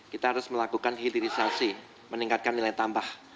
kita harus melakukan hilirisasi meningkatkan nilai tambah